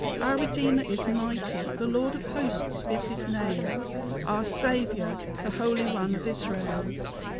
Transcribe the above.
Our Redeemer is mighty; the Lord of Hosts is his name our Saviour, the Holy One of Israel!"